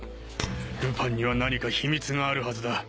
ルパンには何か秘密があるはずだ。